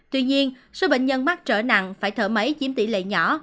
tuy nhiên số bệnh nhân mắc trở nặng phải thở máy chiếm tỷ lệ nhỏ